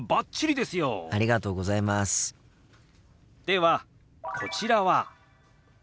ではこちらは。